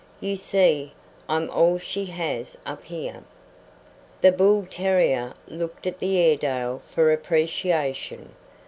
You see, I'm all she has up here." The bull terrier looked at the Airedale for appreciation.